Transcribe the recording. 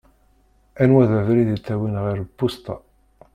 Anwa i d abrid ittawin ɣer lpusṭa?